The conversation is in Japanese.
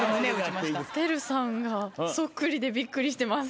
ＴＥＲＵさんがそっくりでびっくりしてます。